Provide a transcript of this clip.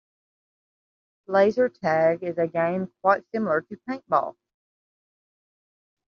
Laser tag is a game quite similar to paintball.